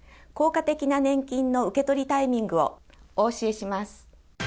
効果的な年金の受け取りタイミングをお教えします。